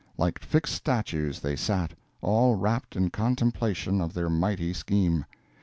Like fixed statues they sat, all wrapped in contemplation of their mighty scheme.